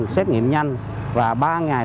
xét nghiệm nhanh và ba ngày